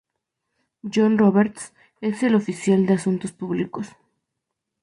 John Roberts es el oficial de asuntos públicos.